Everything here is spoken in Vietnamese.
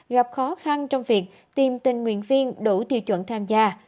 gặp khó khăn trong việc tìm tình nguyện viên đủ tiêu chuẩn tham gia